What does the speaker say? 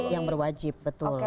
yang berwajib betul